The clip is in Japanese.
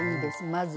まず。